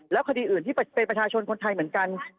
คดีอื่นที่เป็นประชาชนคนไทยเหมือนกัน